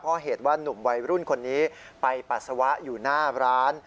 เพราะเหตุว่านุ่มวัยรุ่นคนนี้ไปปัสสาวะอยู่หน้าร้าน